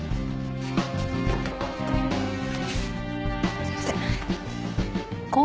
すいません。